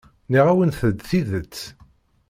Nniɣ-awent-d tidet.